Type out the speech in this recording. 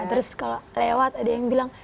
terus kalau lewat ada yang bilang